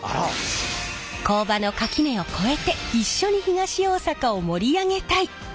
工場の垣根を超えて一緒に東大阪を盛り上げたい！